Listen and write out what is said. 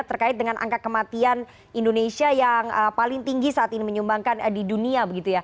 terkait dengan angka kematian indonesia yang paling tinggi saat ini menyumbangkan di dunia